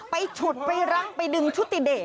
ไปฉุดไปรังไปดึงชุตติเดท